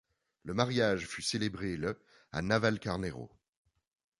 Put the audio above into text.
Le mariage fut célébré le à Navalcarnero.